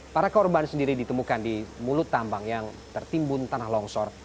para korban sendiri ditemukan di mulut tambang yang tertimbun tanah longsor